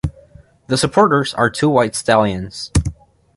The supporters are two white stallions.